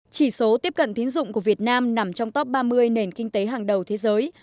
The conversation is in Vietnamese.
chỉ số tiếp cận tín dụng của việt nam nằm trong top ba mươi nền kinh tế hàng đầu thế giới